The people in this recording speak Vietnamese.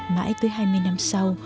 mãi tới hai mươi năm sau